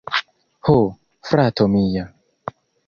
Ho, frato mia!